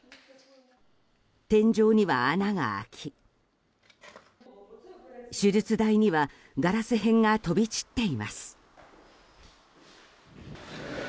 天井には穴が開き、手術台にはガラス片が飛び散っています。